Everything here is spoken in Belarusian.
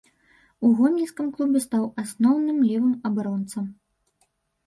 У гомельскім клубе стаў асноўным левым абаронцам.